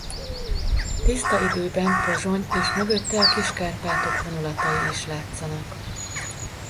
Tiszta időben Pozsony és mögötte a Kis-Kárpátok vonulati is látszanak.